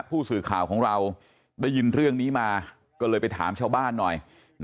ผู้สื่อข่าวของเราได้ยินเรื่องนี้มาก็เลยไปถามชาวบ้านหน่อย